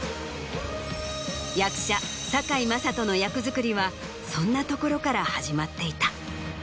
役者堺雅人の役作りはそんなところから始まっていた。